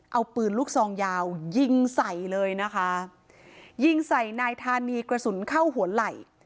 เอาปืนลูกซองยาวยิงใส่เลยนะคะยิงใส่นายธานีกระสุนเข้าหัวไหล่